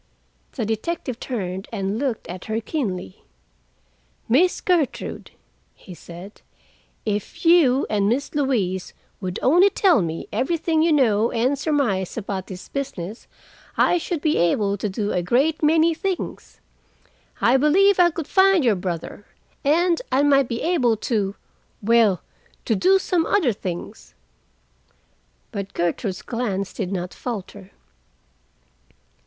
The detective turned and looked at her keenly. "Miss Gertrude," he said, "if you and Miss Louise would only tell me everything you know and surmise about this business, I should be able to do a great many things. I believe I could find your brother, and I might be able to—well, to do some other things." But Gertrude's glance did not falter.